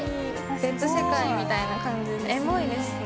別世界みたいな感じでエモいですね。